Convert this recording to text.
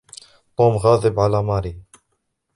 توم غاضب على مارى.